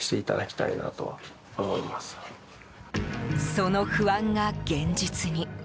その不安が現実に。